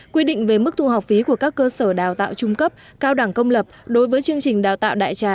quy định về mức thu học phí của các cơ sở đào tạo trung cấp cao đẳng công lập đối với chương trình đào tạo đại trà